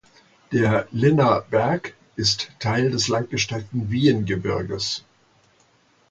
Der Linner Berg ist Teil des langgestreckten Wiehengebirges.